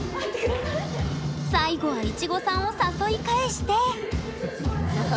最後はいちごさんを誘い返してハハハ！